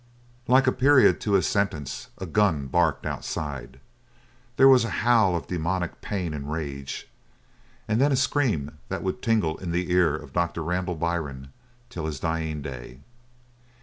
Like a period to his sentence, a gun barked outside, there was a howl of demoniac pain and rage, and then a scream that would tingle in the ear of Doctor Randall Byrne till his dying day.